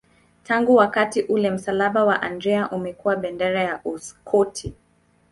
Tangu wakati ule msalaba wa Andrea umekuwa bendera ya Uskoti.